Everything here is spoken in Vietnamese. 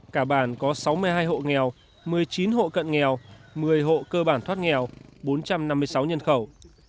cả bản có sáu mươi hai hộ nghèo một mươi chín hộ cận nghèo một mươi hộ cơ bản thoát nghèo bốn trăm năm mươi sáu nhân khẩu